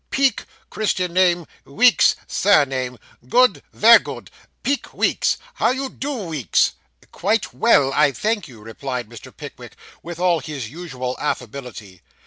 'Peek christian name; Weeks surname; good, ver good. Peek Weeks. How you do, Weeks?' 'Quite well, I thank you,' replied Mr. Pickwick, with all his usual affability.